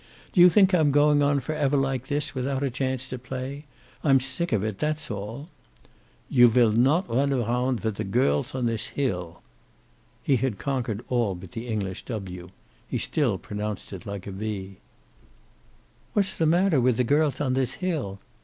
"Do you think I'm going on forever like this, without a chance to play? I'm sick of it. That's all." "You vill not run around with the girls on this hill." He had conquered all but the English "w." He still pronounced it like a "v." "What's the matter with the girls on this hill?"